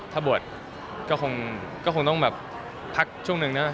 ถ้าบวชก็คงต้องแบบพักช่วงหนึ่งเนอะ